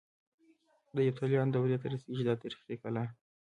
د یفتلیانو دورې ته رسيږي دا تاریخي کلا.